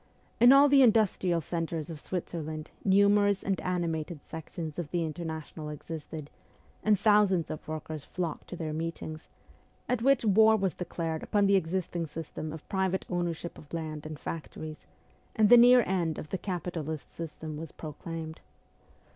In all the industrial centres of Switzerland numerous and animated sections of the International existed, and thousands of workers nocked to their meetings, at which war was declared upon the existing system of private ownership of land and factories, and the near end of the capitalist system was proclaimed.